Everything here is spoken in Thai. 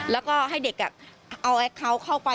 แล้วก็ให้เด็กเอาแอคเคาน์เข้าไป